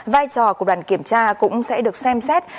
vai trò của đoàn kiểm tra cũng sẽ được xem xét